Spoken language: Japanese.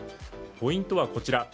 ポイントはこちら。